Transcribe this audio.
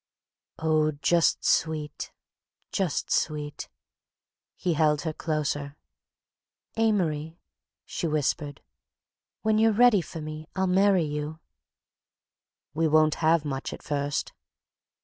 "Oh, just sweet, just sweet..." he held her closer. "Amory," she whispered, "when you're ready for me I'll marry you." "We won't have much at first."